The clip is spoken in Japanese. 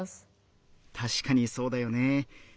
たしかにそうだよね。